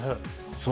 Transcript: そう。